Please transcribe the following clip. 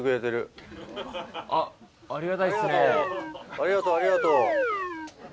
ありがとうありがとう。